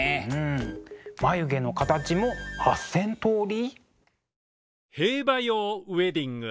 眉毛の形も８，０００通り？